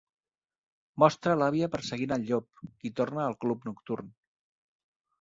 Mostra l'àvia perseguint el Llop, qui torna al club nocturn.